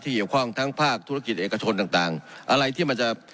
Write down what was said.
เกี่ยวข้องทั้งภาคธุรกิจเอกชนต่างต่างอะไรที่มันจะ